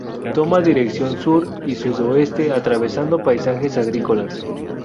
Toma dirección sur y sudoeste, atravesando paisajes agrícolas.